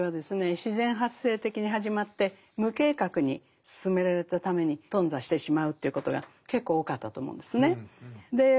自然発生的に始まって無計画に進められたために頓挫してしまうということが結構多かったと思うんですね。